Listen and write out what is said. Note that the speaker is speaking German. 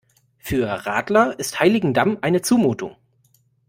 Für Radler ist Heiligendamm eine Zumutung.